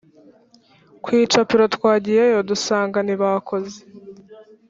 kw’ icapiro twagiyeyo dusanga ntibakoze